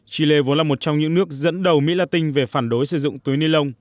chile vốn là một trong những nước dẫn đầu mỹ la tinh về phản đối sử dụng túi ni lông